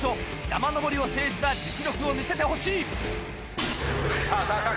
山登りを制した実力を見せてほしい。